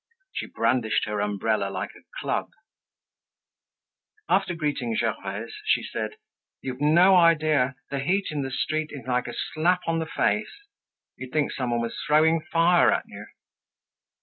She brandished her umbrella like a club. After greeting Gervaise, she said, "You've no idea. The heat in the street is like a slap on the face. You'd think someone was throwing fire at you."